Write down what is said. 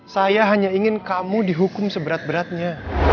saya hanya ingin kamu dihukum seberat beratnya